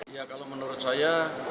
ya kalau menurut saya